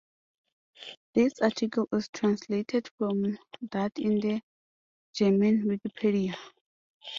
"This article is translated from that in the German Wikipedia"